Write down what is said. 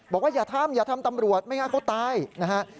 บอกว่าอย่าทำอย่าทำตำรวจไม่งั้นเขาตายนะครับ